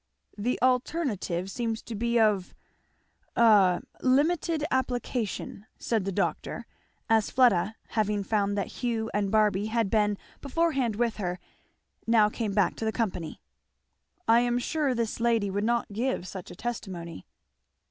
"The alternative seems to be of a limited application," said the doctor, as Fleda, having found that Hugh and Barby had been beforehand with her, now came back to the company. "I am sure this lady would not give such a testimony."